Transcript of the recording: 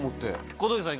小峠さん